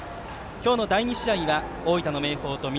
今日の第２試合は大分の明豊と南